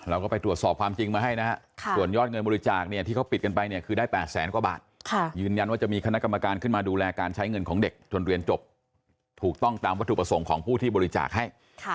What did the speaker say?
อาจจะเป็นแสนหรือมากกว่าแสนก็ได้